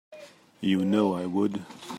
You know I would.